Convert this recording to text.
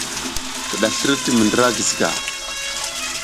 Kiɗaslir ti mi ndra Giziga.